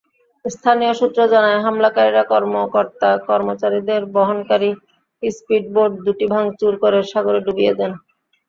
স্থানীয় সূত্র জানায়, হামলাকারীরা কর্মকর্তা-কর্মচারীদের বহনকারী স্পিডবোট দুটি ভাঙচুর করে সাগরে ডুবিয়ে দেন।